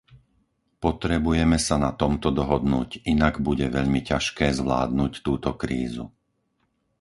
Potrebujeme sa na tomto dohodnúť, inak bude veľmi ťažké zvládnuť túto krízu.